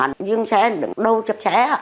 hắn dưng xe đừng đâu chập xé